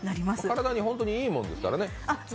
体に本当にいいものですからね。